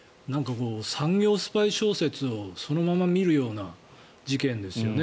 産業スパイ小説をそのまま見るような事件ですよね。